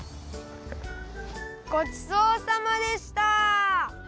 ごちそうさまでした！